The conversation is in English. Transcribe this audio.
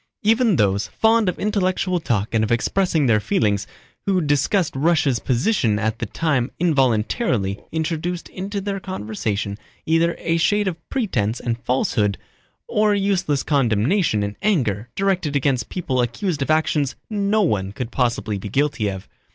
Even those, fond of intellectual talk and of expressing their feelings, who discussed Russia's position at the time involuntarily introduced into their conversation either a shade of pretense and falsehood or useless condemnation and anger directed against people accused of actions no one could possibly be guilty of.